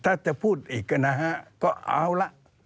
ถ้าจะพูดอีกนะฮะก็เอาละ